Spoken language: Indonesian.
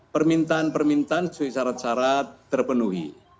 permintaan permintaan sesuai syarat syarat terpenuhi